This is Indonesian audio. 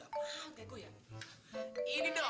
eh pak dokter